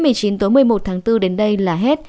từ một mươi chín tối một mươi một tháng bốn đến đây là hết